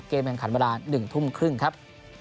แข่งขันเวลา๑ทุ่มครึ่งครับ